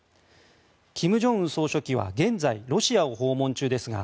金正恩総書記は現在、ロシアを訪問中ですが